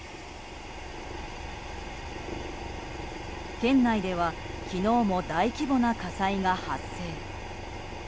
県内では昨日も大規模な火災が発生。